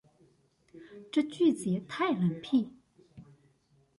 這句子也太冷僻